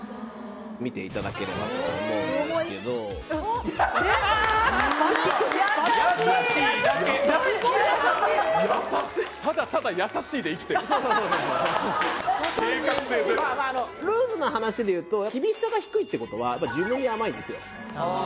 見ていただければと思うんですけど・おっ出た優しいだけ・すごい優しいただただ「優しい」で生きてる計画性ゼロルーズな話でいうと厳しさが低いってことは自分に甘いですよ